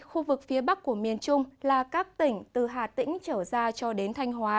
khu vực phía bắc của miền trung là các tỉnh từ hà tĩnh trở ra cho đến thanh hóa